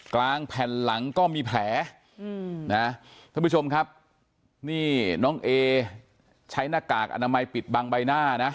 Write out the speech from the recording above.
กลางแผ่นหลังก็มีแผลนะท่านผู้ชมครับนี่น้องเอใช้หน้ากากอนามัยปิดบังใบหน้านะ